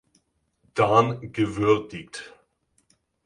Dan gewürdigt.